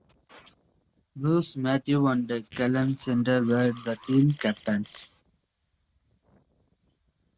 Bruce Mayhew and Galen Snyder were the team captains.